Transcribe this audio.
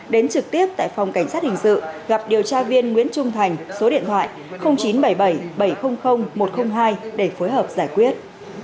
đến trực tiếp tại phòng cảnh sát hình sự gặp điều tra viên nguyễn trung thành số điện thoại chín trăm bảy mươi bảy bảy trăm linh một trăm linh hai để phối hợp giải quyết